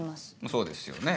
そうですよね。